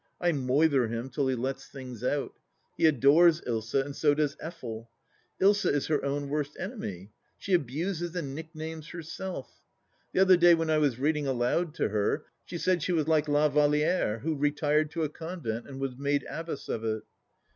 I moither him till he lets things out. He adores Ilsa, and so does Effel. Ilsa is her own worst enemy. She abuses and nicknames herself. The other day when I was reading aloud to her she said she was like La Valliere, who retired to a convent and was made abbess of it.